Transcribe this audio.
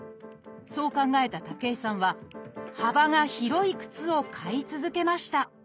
そう考えた武井さんは幅が広い靴を買い続けました。